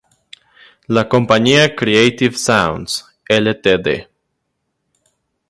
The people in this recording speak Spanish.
La compañía Creative Sounds, Ltd.